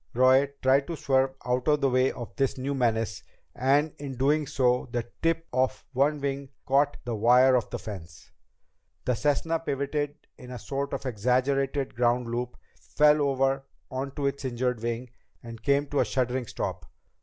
Roy tried to swerve out of the way of this new menace, and in doing so the tip of one wing caught the wire of the fence. The Cessna pivoted in a sort of exaggerated ground loop, fell over onto its injured wing, and came to a shuddering stop.